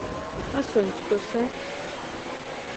А сонць коса?